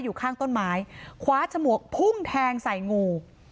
อยู่ข้างต้นไม้คว้าฉมวกพุ่งแทงใส่งู